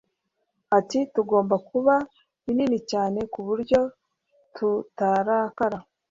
Ati Tugomba kuba binini cyane ku buryo tutarakara